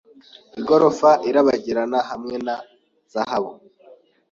Igorofa irabagirana hamwe na zahabu